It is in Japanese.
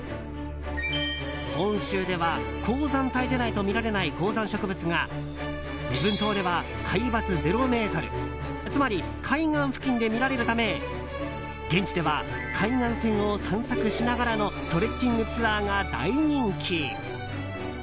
本州では高山帯でないと見られない高山植物が礼文島では海抜０ｍつまり海岸付近で見られるため現地では海岸線を散策しながらのトレッキングツアーが大人気。